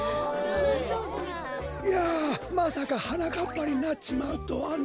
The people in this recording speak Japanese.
いやまさかはなかっぱになっちまうとはな。